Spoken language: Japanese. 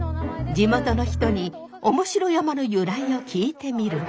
地元の人に面白山の由来を聞いてみると。